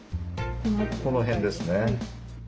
この辺ですね。